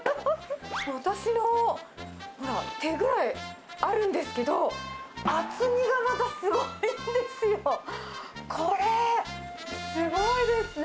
私のほら、手ぐらいあるんですけど、厚みがまたすごいんですよ。